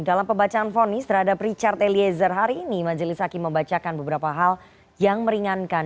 dalam pembacaan fonis terhadap richard eliezer hari ini majelis hakim membacakan beberapa hal yang meringankan